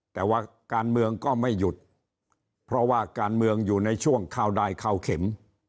แต่ว่าการเมืองก็ไม่หยุดเพราะว่าการเมืองอยู่ในช่วงเข้าได้เข้าเข็ม